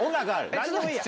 何でもいいや。